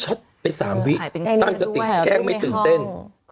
ไป๓วิตั้งสติแกล้งไม่ตื่นเต้น